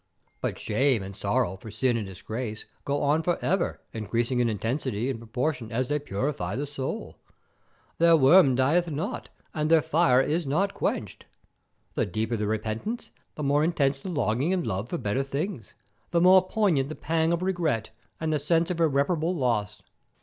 But shame and sorrow for sin and disgrace go on for ever increasing in intensity, in proportion as they purify the soul. Their worm dieth not, and their fire is not quenched. The deeper the repentance, the more intense the longing and love for better things, the more poignant the pang of regret and the sense of irreparable loss.